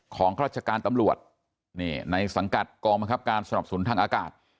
ของราชการตำรวจในสังกัดกองบังคับการสนับสนุนทางอากาศ